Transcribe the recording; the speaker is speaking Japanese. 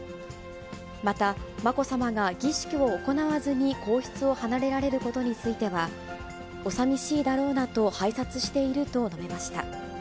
また、まこさまが儀式を行わずに皇室を離れられることについては、お寂しいだろうなと拝察していると述べました。